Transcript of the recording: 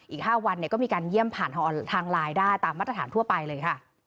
อีก๕วันก็มีการเยี่ยมผ่านทางไลน์ได้ตามมาตรฐานทั่วไปเลยค่ะ